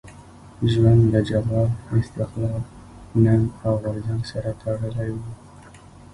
ژوند له جلال، استقلال، ننګ او غورځنګ سره تړلی وو.